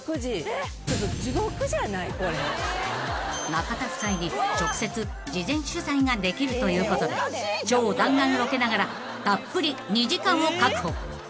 ［中田夫妻に直接事前取材ができるということで超弾丸ロケながらたっぷり２時間を確保］